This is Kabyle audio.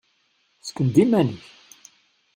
Sken-d iman-ik!